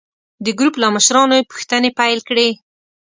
د ګروپ له مشرانو یې پوښتنې پیل کړې.